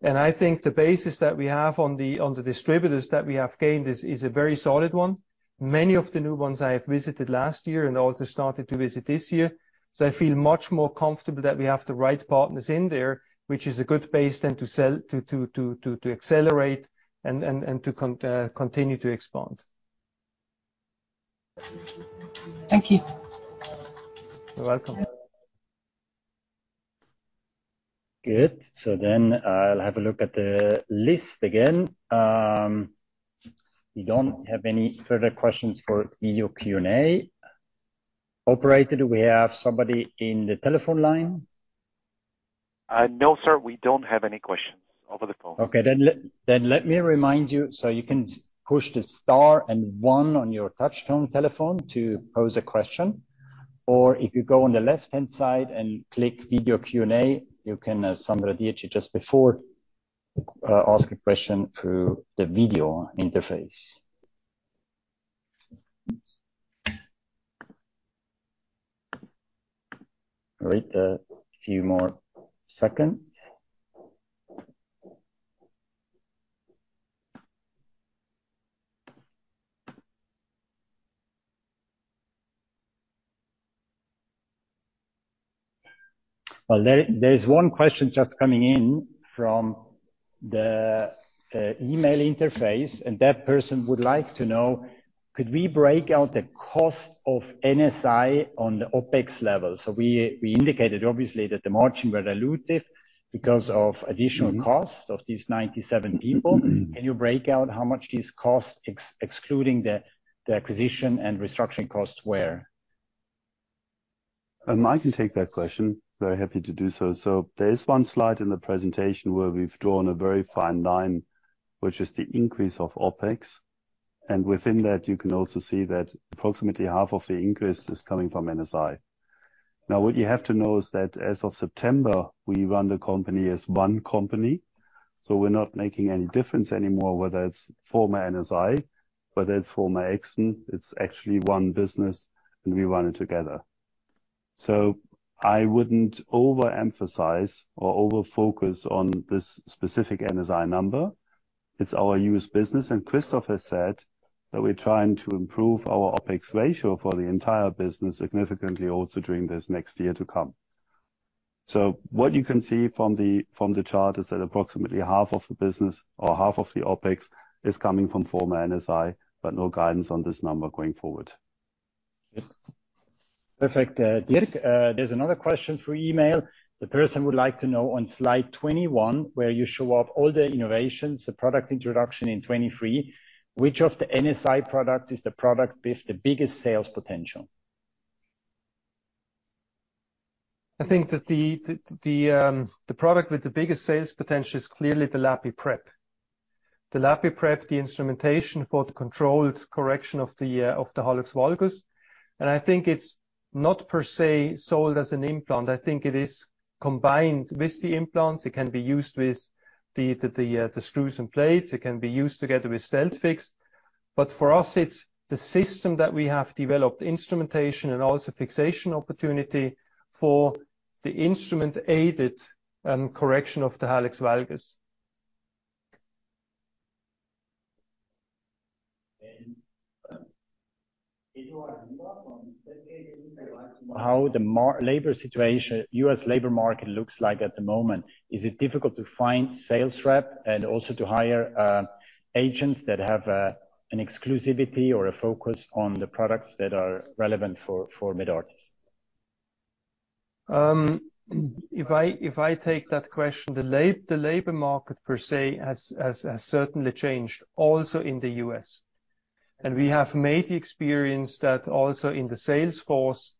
Speaker 2: I think the basis that we have on the distributors that we have gained is a very solid one. Many of the new ones I have visited last year and also started to visit this year. I feel much more comfortable that we have the right partners in there, which is a good base then to sell to accelerate and to continue to expand.
Speaker 7: Thank you.
Speaker 2: You're welcome.
Speaker 1: Good. I'll have a look at the list again. We don't have any further questions for video Q&A. Operator, do we have somebody in the telephone line?
Speaker 4: No, sir. We don't have any questions over the phone.
Speaker 1: Okay. Let me remind you can push the star one on your touch-tone telephone to pose a question. If you go on the left-hand side and click Video Q&A, you can, as Sandra did just before, ask a question through the video interface. Wait a few more seconds. There's one question just coming in from the email interface, that person would like to know, could we break out the cost of NSI on the OpEx level? We indicated obviously that the margin were dilutive because of additional cost of these 97 people. Can you break out how much these costs, excluding the acquisition and restructuring costs were?
Speaker 3: I can take that question. Very happy to do so. There is one slide in the presentation where we've drawn a very fine line, which is the increase of OpEx. Within that, you can also see that approximately half of the increase is coming from NSI. What you have to know is that as of September, we run the company as one company, so we're not making any difference anymore, whether it's former NSI, whether it's former Axomed, it's actually one business, and we run it together. I wouldn't overemphasize or over-focus on this specific NSI number. It's our U.S. business, and Christoph has said that we're trying to improve our OpEx ratio for the entire business significantly also during this next year to come. What you can see from the, from the chart is that approximately half of the business or half of the OpEx is coming from former NSI, but no guidance on this number going forward.
Speaker 1: Yep. Perfect. Dirk, there's another question through email. The person would like to know on slide 21, where you show off all the innovations, the product introduction in 2023, which of the NSI products is the product with the biggest sales potential?
Speaker 2: I think that the product with the biggest sales potential is clearly the LapiPrep. The LapiPrep, the instrumentation for the controlled correction of the hallux valgus. I think it's not per se sold as an implant. I think it is combined with the implants. It can be used with the screws and plates. It can be used together with StealthFix. For us, it's the system that we have developed, instrumentation and also fixation opportunity for the instrument-aided correction of the hallux valgus.
Speaker 1: How the U.S. labor market looks like at the moment. Is it difficult to find sales rep and also to hire agents that have an exclusivity or a focus on the products that are relevant for Medartis?
Speaker 2: If I take that question, the labor market per se has certainly changed also in the U.S. We have made the experience that also in the sales force,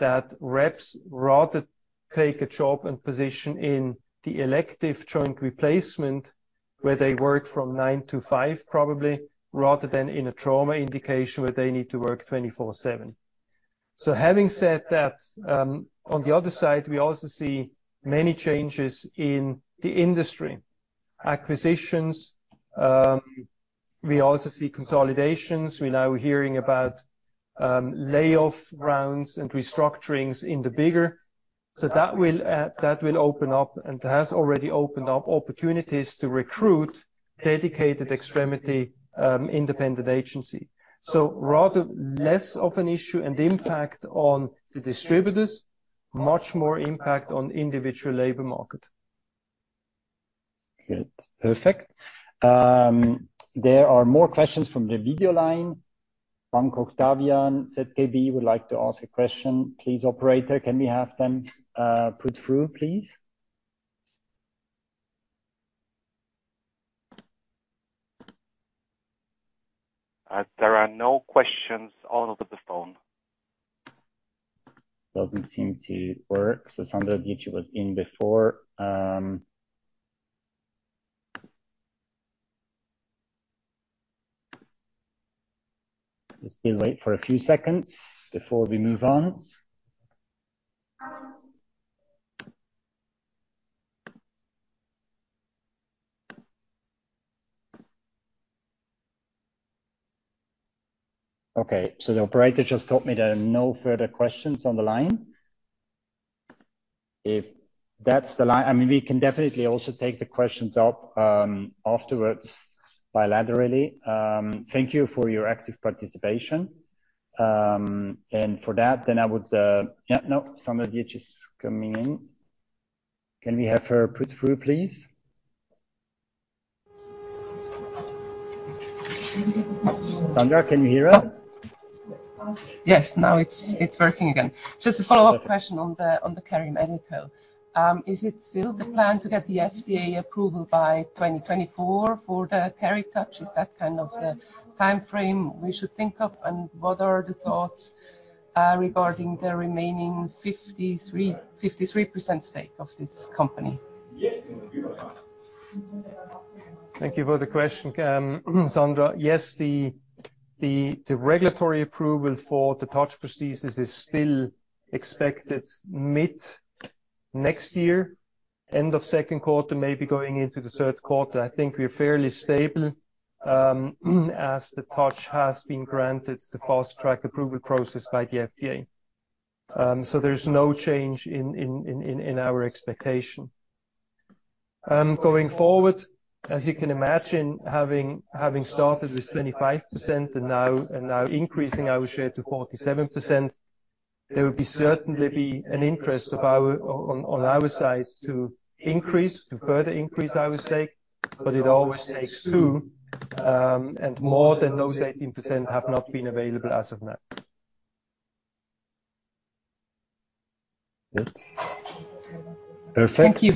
Speaker 2: that reps rather take a job and position in the elective joint replacement where they work from nine to five, probably, rather than in a trauma indication where they need to work 24/7. Having said that, on the other side, we also see many changes in the industry. Acquisitions, we also see consolidations. We're now hearing about layoff rounds and restructurings in the bigger. That will open up and has already opened up opportunities to recruit dedicated extremity, independent agency. Rather less of an issue and impact on the distributors, much more impact on individual labor market.
Speaker 1: Good. Perfect. There are more questions from the video line. Bank Octavian, ZKB, would like to ask a question. Please, operator, can we have them, put through, please?
Speaker 4: There are no questions on the phone.
Speaker 1: Doesn't seem to work. Sandra Dietschy was in before. Let's still wait for a few seconds before we move on. Okay. The operator just told me there are no further questions on the line. If that's the line, I mean, we can definitely also take the questions up afterwards bilaterally. Thank you for your active participation. For that, then I would... Yeah, no, Sandra Dietschy is coming in. Can we have her put through, please? Sandra, can you hear us?
Speaker 7: Yes, now it's working again. Just a follow-up question on the KeriMedical. Is it still the plan to get the FDA approval by 2024 for the TOUCH? Is that kind of the timeframe we should think of? What are the thoughts regarding the remaining 53% stake of this company?
Speaker 2: Thank you for the question, Sandra. Yes, the regulatory approval for the TOUCH prosthesis is still expected mid next year, end of 2Q, maybe going into the 3Q. I think we're fairly stable as the TOUCH has been granted the fast track approval process by the FDA. There's no change in our expectation. Going forward, as you can imagine, having started with 25% and now increasing our share to 47%, there will be certainly be an interest on our side to increase, to further increase our stake, but it always takes two, and more than those 18% have not been available as of now.
Speaker 1: Good. Perfect.
Speaker 7: Thank you.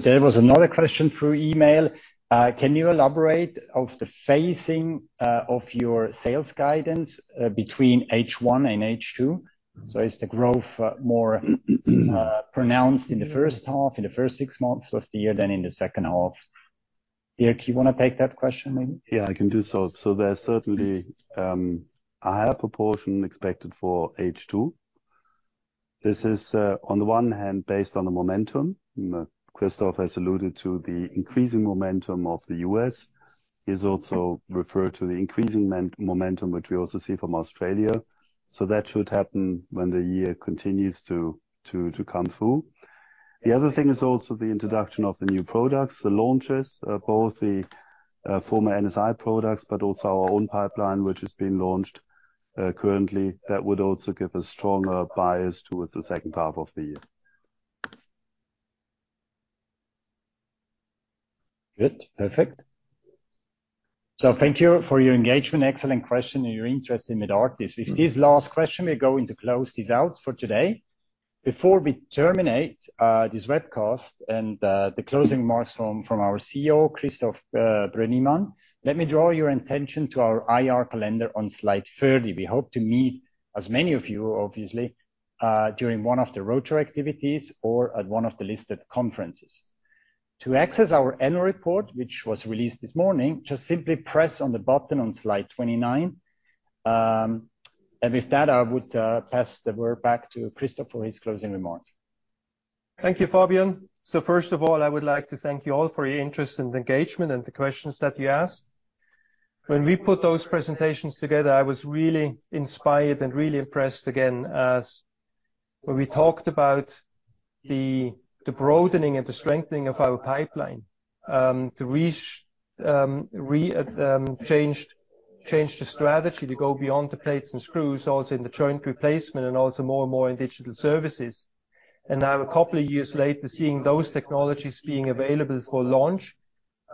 Speaker 1: There was another question through email. Can you elaborate of the phasing of your sales guidance between H1 and H2? Is the growth more pronounced in the first half, in the first six months of the year than in the second half? Dirk, you wanna take that question maybe?
Speaker 3: I can do so. There's certainly a higher proportion expected for H2. This is on the one hand based on the momentum. Christoph has alluded to the increasing momentum of the U.S.. He's also referred to the increasing momentum, which we also see from Australia. That should happen when the year continues to come through. The other thing is also the introduction of the new products, the launches, both the former NSI products, but also our own pipeline, which is being launched currently. That would also give a stronger bias towards the second half of the year.
Speaker 1: Good. Perfect. Thank you for your engagement. Excellent question and your interest in Medartis. With this last question, we're going to close this out for today. Before we terminate this webcast and the closing remarks from our CEO, Christoph Brönnimann, let me draw your attention to our IR calendar on slide 30. We hope to meet as many of you, obviously, during one of the roadshow activities or at one of the listed conferences. To access our annual report, which was released this morning, just simply press on the button on slide 29. With that, I would pass the word back to Christoph for his closing remarks.
Speaker 2: Thank you, Fabian. First of all, I would like to thank you all for your interest and engagement and the questions that you asked. When we put those presentations together, I was really inspired and really impressed again as when we talked about the broadening and the strengthening of our pipeline, to reach, change the strategy to go beyond the plates and screws, also in the joint replacement and also more and more in digital services. Now a couple of years later, seeing those technologies being available for launch,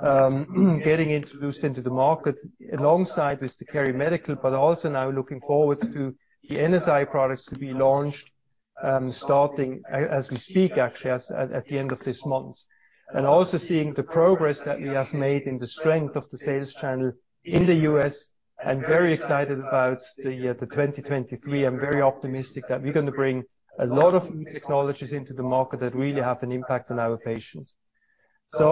Speaker 2: getting introduced into the market alongside with the KeriMedical, but also now looking forward to the NSI products to be launched, starting as we speak, actually, at the end of this month. Also seeing the progress that we have made in the strength of the sales channel in the U.S.. I'm very excited about the 2023. I'm very optimistic that we're gonna bring a lot of new technologies into the market that really have an impact on our patients.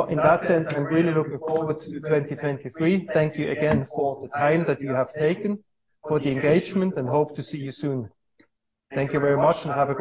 Speaker 2: In that sense, I'm really looking forward to 2023. Thank you again for the time that you have taken, for the engagement, and hope to see you soon. Thank you very much, and have a great day.